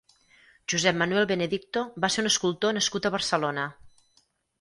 Josep Manuel Benedicto va ser un escultor nascut a Barcelona.